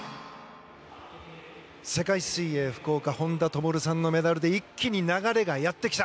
世界水泳福岡本多灯さんのメダルで一気に流れがやってきた。